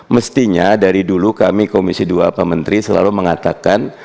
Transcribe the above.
mestinya dari dulu kami komisi dua pak menteri selalu mengatakan